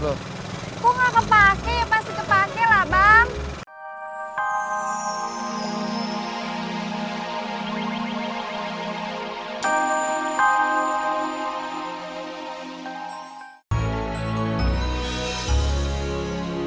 lo kok nggak kepake pasti kepake labang